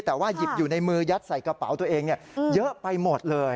แต่ว่าหยิบอยู่ในมือยัดใส่กระเป๋าตัวเองเยอะไปหมดเลย